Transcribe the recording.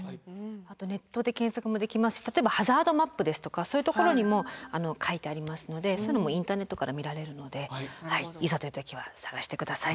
あとネットで検索もできますし例えばハザードマップですとかそういうところにも書いてありますのでそういうのもインターネットから見られるのでいざという時は探して下さい。